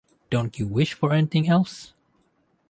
Don't you wish for anything else?